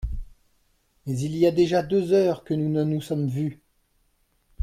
Mais il y a déjà deux heures que nous ne nous sommes vus.